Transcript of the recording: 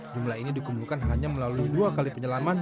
jumlah ini dikumpulkan hanya melalui dua kali penyelaman